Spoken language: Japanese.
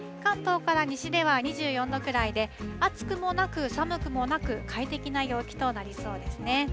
関東から西では２４度くらいで、暑くもなく寒くもなく、快適な陽気となりそうですね。